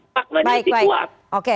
makna diisi kuat